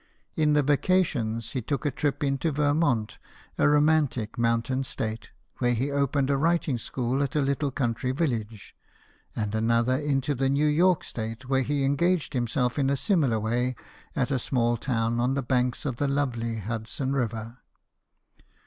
In the vacations, he took a trip into Vermont, a romantic mountain state, where he opened a writing school at a little country village ; and another into the New York State, JAMES GARFIELD, CANAL BOY. 149 where he engaged himself in a similar way at a s nail town on the banks of the lovely Hudson river.